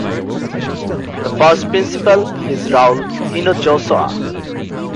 The first principal is Raul Hinojosa.